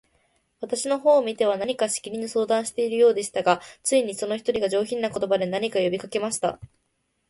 私の方を見ては、何かしきりに相談しているようでしたが、ついに、その一人が、上品な言葉で、何か呼びかけました。